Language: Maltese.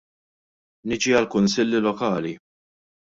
Niġi għall-kunsilli lokali.